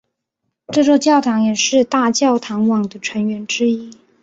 这座教堂也是大教堂网的成员之一。